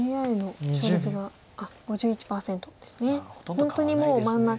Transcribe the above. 本当にもう真ん中。